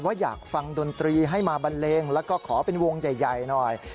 ว่าอยากฟังดนตรีให้มาบันเลงแล้วก็ขอเป็นวงใหญ่หน่อย